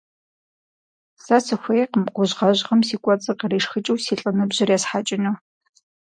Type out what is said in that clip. Сэ сыхуейкъым гужьгъэжьым си кӀуэцӀыр къришхыкӀыу си лӀыныбжьыр есхьэкӀыну.